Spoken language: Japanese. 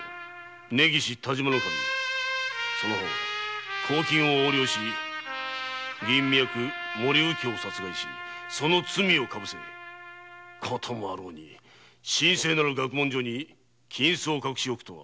根岸但馬守その方公金を横領し森右京を殺害しその罪をかぶせこともあろうに神聖なる学問所に金子を隠しおくとは。